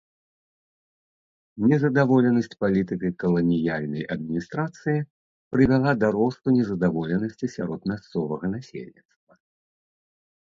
Незадаволенасць палітыкай каланіяльнай адміністрацыі прывяла да росту незадаволенасці сярод мясцовага насельніцтва.